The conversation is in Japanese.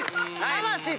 魂！